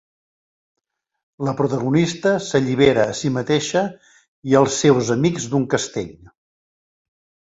La protagonista s'allibera a si mateixa i els seus amics d'un castell.